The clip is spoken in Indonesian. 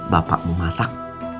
bapak mau masak